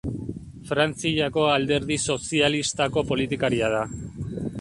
Frantziako Alderdi Sozialistako politikaria da.